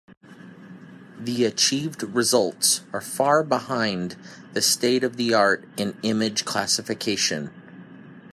The achieved results are far behind the state-of-the-art in image classification.